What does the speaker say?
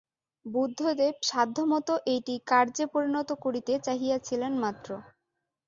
বুদ্ধদেব সাধ্যমত এইটি কার্যে পরিণত করিতে চাহিয়াছিলেন মাত্র।